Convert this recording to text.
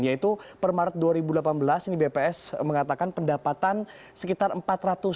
yaitu per maret dua ribu delapan belas ini bps mengatakan pendapatan sekitar empat ratus